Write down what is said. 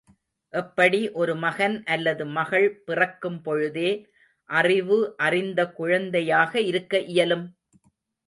எப்படி ஒரு மகன் அல்லது மகள் பிறக்கும் பொழுதே அறிவு அறிந்த குழந்தையாக இருக்க இயலும்?